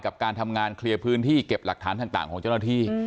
การทำงานเคลียร์พื้นที่เก็บหลักฐานต่างของเจ้าหน้าที่